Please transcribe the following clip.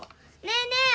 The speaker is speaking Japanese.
ねえねえ